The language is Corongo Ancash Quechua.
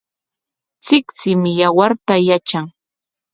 Tsiktsim yawarta yatran.